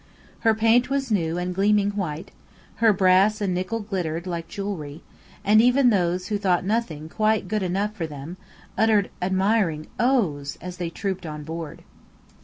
Her paint was new and gleaming white; her brass and nickel glittered like jewellery; and even those who thought nothing quite good enough for them, uttered admiring "Ohs!" as they trooped on board.